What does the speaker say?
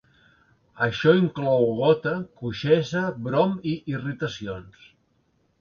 Això inclou gota, coixesa, brom i irritacions.